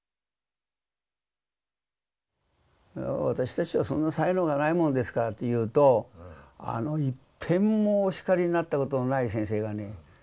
「私たちはそんな才能がないもんですから」って言うとあのいっぺんもお叱りになったことのない先生がね